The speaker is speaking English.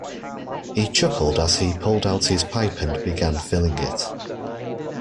He chuckled as he pulled out his pipe and began filling it.